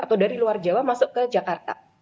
atau dari luar jawa masuk ke jakarta